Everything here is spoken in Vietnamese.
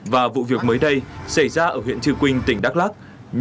và vụ việc mới đây xảy ra ở huyện trư quynh tỉnh đắk lắc